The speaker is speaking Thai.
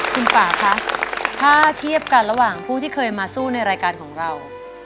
คุณป่าคะถ้าเทียบกันระหว่างผู้ที่เคยมาสู้ในรายการของเรา